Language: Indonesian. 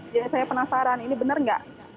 jadi saya penasaran ini benar gak